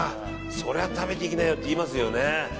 そりゃ食べていきなよって言いますよね。